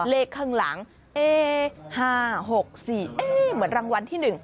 เลขข้างหลังเอ๊ะห้าหกสี่เอ๊ะเหมือนรางวัลที่๑